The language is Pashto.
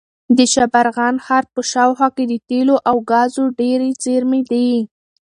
د شبرغان ښار په شاوخوا کې د تېلو او ګازو ډېرې زېرمې دي.